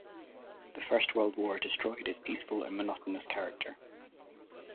The First World War destroyed its peaceful and monotonous character.